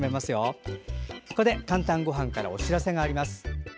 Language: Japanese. ここで「かんたんごはん」からお知らせです。